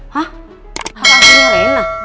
hah hak asuhnya rena